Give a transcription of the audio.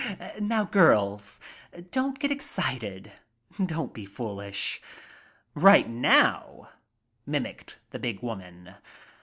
"Now, girls, don't get excited, don't be foolish. 'Right now'," mimicked the big woman.